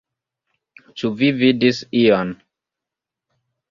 Ĉu vi vidis ion?